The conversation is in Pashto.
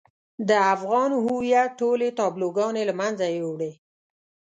د افغان هويت ټولې تابلوګانې له منځه يوړې.